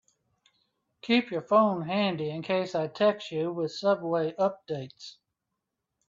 Keep your phone handy in case I text you with subway updates.